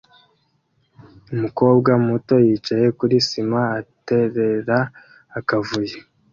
Umukobwa muto yicaye kuri sima aterera akavuyo